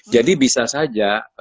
jadi bisa saja